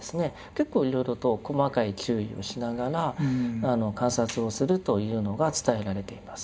結構いろいろと細かい注意をしながら観察をするというのが伝えられています。